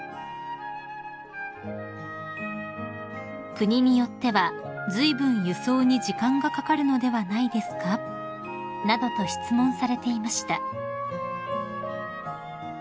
［「国によってはずいぶん輸送に時間がかかるのではないですか？」などと質問されていました］